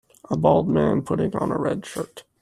A bald man putting on a red shirt